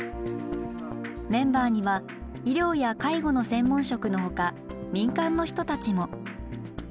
メンバーには医療や介護の専門職のほか民間の人たちも。